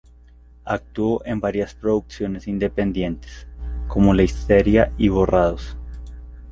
Actuó en varias producciones independientes, como la histeria y Borrados.